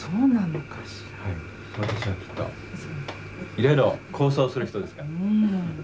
いろいろ構想する人ですから。